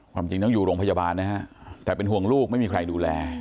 ความจริงต้องอยู่โรงพยาบาลนะฮะแต่เป็นห่วงลูกไม่มีใครดูแล